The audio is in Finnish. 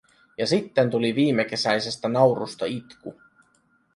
Ja sitten tuli viimekesäisestä naurusta itku.